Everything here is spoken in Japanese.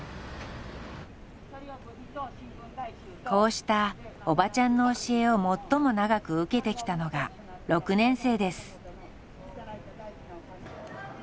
こうしたおばちゃんの教えを最も長く受けてきたのが６年生です。